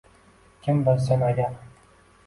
Kim bilsin agar.